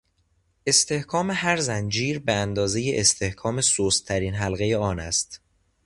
استحکام هر زنجیر به اندازهی استحکام سستترین حلقهی آن است.